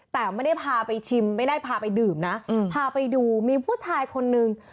แต่ไม่ได้พาไปชิมไม่ได้พาไปดื่มนะพาไปดูมีผู้ชายคนนึง